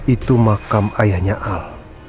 itu makam ayahnya al